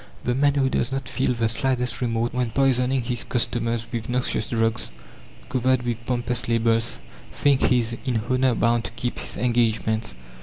The man who does not feel the slightest remorse when poisoning his customers with noxious drugs covered with pompous labels, thinks he is in honour bound to keep his engagements.